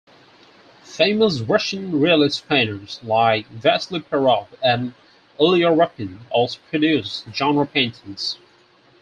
Famous Russian realist painters like Vasily Perov and Ilya Repin also produced genre paintings.